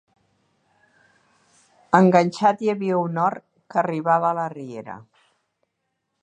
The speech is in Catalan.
Enganxat hi havia un hort que arribava a la riera.